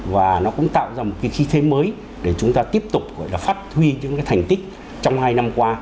và nó cũng tạo ra một cái khí thế mới để chúng ta tiếp tục gọi là phát huy những cái thành tích trong hai năm qua